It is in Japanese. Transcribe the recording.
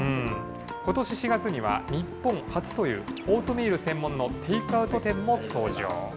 ことし４月には、日本初というオートミール専門のテイクアウト店も登場。